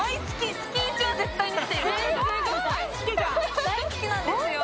大好きなんですよ。